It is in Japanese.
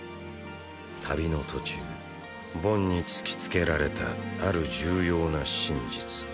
旅の途中ボンに突きつけられたある重要な真実。